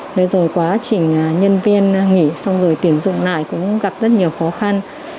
thế rồi quá trình nhân viên nghỉ xong rồi tuyển dụng lại cũng gặp rất nhiều khó khăn